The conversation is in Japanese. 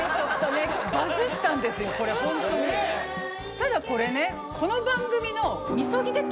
ただこれね。